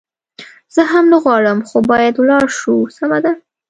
زه هم نه غواړم، خو باید ولاړ شو، سمه ده.